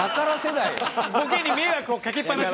ボケに迷惑をかけっぱなし。